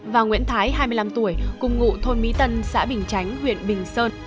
và nguyễn thái hai mươi năm tuổi cùng ngụ thôn mỹ tân xã bình chánh huyện bình sơn